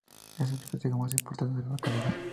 Es el festejo más importante de la localidad.